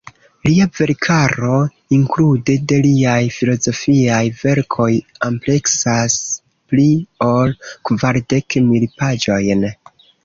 Lia verkaro, inklude de liaj filozofiaj verkoj, ampleksas pli ol kvardek mil paĝojn.